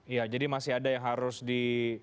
iya jadi masih ada yang harus di